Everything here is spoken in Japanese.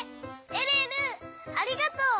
えるえるありがとう！